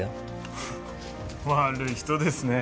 フッ悪い人ですね。